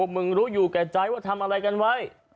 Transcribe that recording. มึงรู้อยู่แก่ใจว่าทำอะไรกันไว้